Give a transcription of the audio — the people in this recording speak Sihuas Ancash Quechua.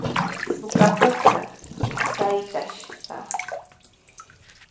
Suqakuqta saytash kaa.